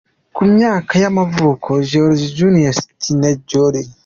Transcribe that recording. Ku myaka y’amavuko, George Junius Stinney, Jr.